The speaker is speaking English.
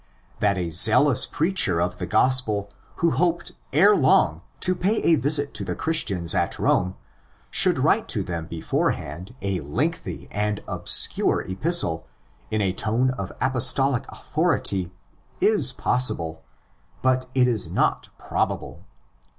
That a zealous preacher of the Gospel who hoped ere long to pay a visit to the Christians at Rome should write to them beforehand a lengthy and obscure epistle in a tone of apostolic authority is possible, but it is not probable.